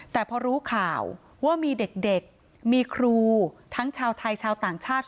แต่พอรู้ข่าวว่ามีเด็กมีครูทั้งชาวไทยชาวต่างชาติ